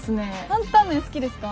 タンタン麺好きですか？